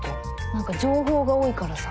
なんか情報が多いからさ。